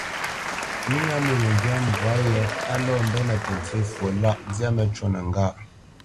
Pó ŋâ mwô məŋgywa mbwǎ yé á lɔ́ mbenə́ tə ntsə fwo lâʼ, zyâ məcûnə ŋgâ.